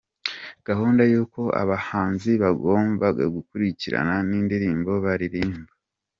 Gahunda y’uko abahanzi bagombaga gukurikirana n’indirimbo baririmba:.